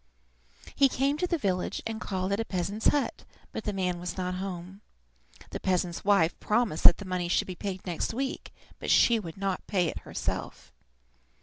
He came to the village and called at a peasant's hut, but the man was not at home. The peasant's wife promised that the money should be paid next week, but she would not pay it herself.